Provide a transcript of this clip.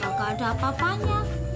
gak ada apa apanya